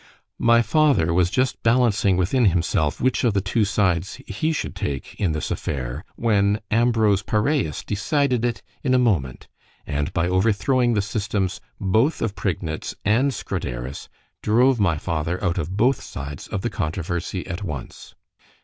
My father was just balancing within himself, which of the two sides he should take in this affair; when Ambrose Paræus decided it in a moment, and by overthrowing the systems, both of Prignitz and Scroderus, drove my father out of both sides of the controversy at once.